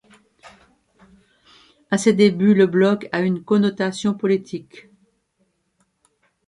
À ses débuts, le blog a une connotation politique.